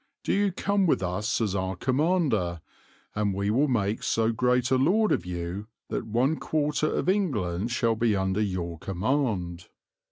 Do you come with us as our commander, and we will make so great a lord of you that one quarter of England shall be under your command.'